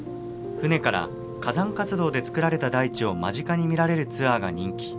船から火山活動で作られた大地を間近に見られるツアーが人気。